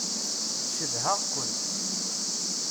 Cedhaɣ-ken.